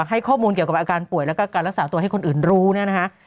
ให้ข้อมูลเกี่ยวกับอาการป่วยแล้วก็การรักษาตัวให้คนอื่นรู้เนี่ยนะคะ